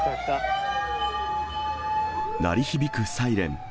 鳴り響くサイレン。